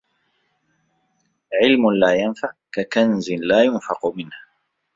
علم لا ينفع ككنز لا يُنْفَقُ منه